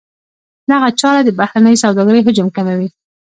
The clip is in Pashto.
دغه چاره د بهرنۍ سوداګرۍ حجم کموي.